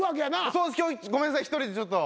そうですごめんなさい１人でちょっと。